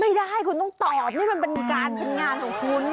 ไม่ได้คุณต้องตอบนี่มันเป็นการเป็นงานของคุณ